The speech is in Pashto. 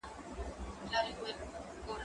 کېدای شي زه منډه ووهم!!